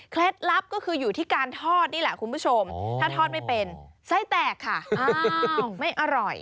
ลับก็คืออยู่ที่การทอดนี่แหละคุณผู้ชมถ้าทอดไม่เป็นไส้แตกค่ะอ้าวไม่อร่อย